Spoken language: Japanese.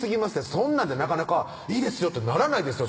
そんなんでなかなか「いいですよ」ってならないですよ